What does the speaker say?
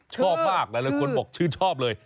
ชอบมากหลายคนบอกชื่นชอบเลย